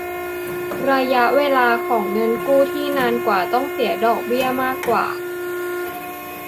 ระยะเวลาของเงินกู้ที่นานกว่าต้องเสียดอกเบี้ยมากกว่า